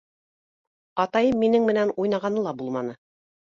Атайым минең менән уйнағаны ла булманы.